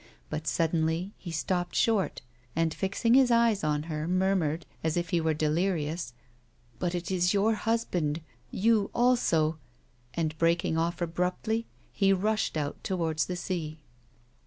But suddenly he stopped short, and fixing his eyes on her, murmured, as if he were delirious :" But it is your husband — you also —" and breaking off abruptly, he rushed out towards the sea.